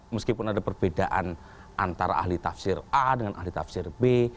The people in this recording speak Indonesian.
meskipun ada perbedaan antara ahli tafsir a dengan ahli tafsir b